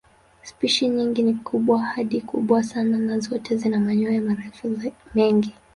Spishi nyingi ni kubwa hadi kubwa sana na zote zina manyoya marefu mengi.